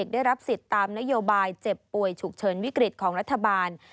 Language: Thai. ได้รับสิทธิ์ตามนโยบายเจ็บป่วยฉุกเฉินวิกฤตของรัฐบาล